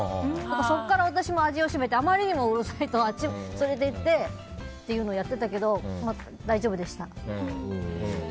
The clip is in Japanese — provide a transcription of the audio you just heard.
そこから私も味を占めてあまりにもうるさいと連れていってっていうのをやっていたけど大丈夫でした。